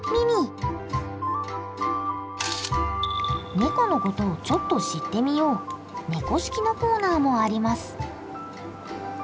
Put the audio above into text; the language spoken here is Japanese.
ネコのことをちょっと知ってみよう「猫識」のコーナーもあります。